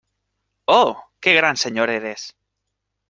¡ oh, qué gran señor eres!